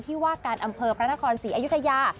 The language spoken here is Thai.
ที่ว่าการอำเภอพระนครศรีอยุธยา